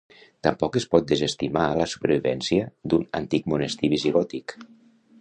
Tampoc es pot desestimar la supervivència d'un antic monestir visigòtic.